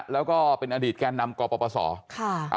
แล้วก็เป็นอดีตแก่นำกปศ